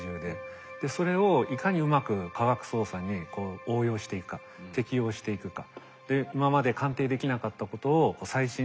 それをいかにうまく科学捜査に応用していくか適用していくか。